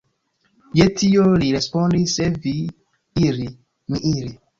Je tio li respondis, Se vi iri, mi iri.